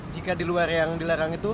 jika di luar yang dilarang itu